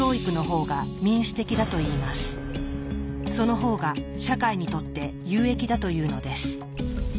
その方が社会にとって有益だというのです。